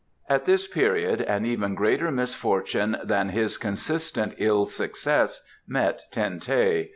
At this period an even greater misfortune than his consistent ill success met Ten teh.